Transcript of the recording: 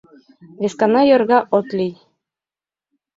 Вескана йорга от лий!